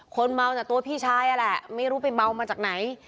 คนเมาจากตัวพี่ชายนั่นแหละไม่รู้ไปเมามาจากไหน